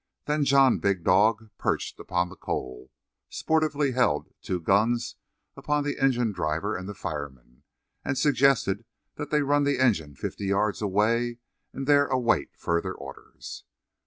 Then John Big Dog, perched upon the coal, sportively held two guns upon the engine driver and the fireman, and suggested that they run the engine fifty yards away and there await further orders.